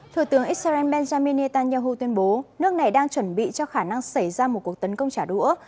thủ tướng israel benjamin netanyahu tuyên bố nước này đang chuẩn bị cho khả năng xảy ra một cuộc tấn công trả đũa